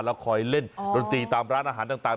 แล้วคอยเล่นดนตรีตามร้านอาหารต่าง